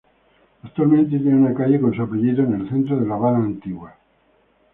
Actualmente tiene una calle con su apellido en el centro de La Habana antigua.